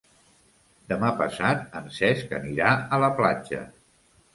Demà passat en Cesc anirà a la platja.